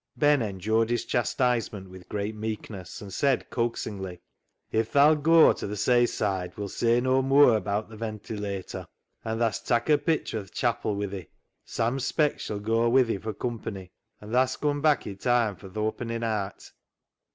Ben endured his chastisement with great meekness, and said coaxingly —" If tha'll goa to th' sayside we'll say no mooar abaat th' ventilator, an' tha'st tak' a pictur' o' th' chapil wi' thi. Sam Speck shall goa wi' thi fur company, an' tha'st come back i' toime fur th' oppenin' aat."